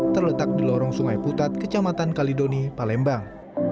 terletak di lorong sungai putat kecamatan kalidoni palembang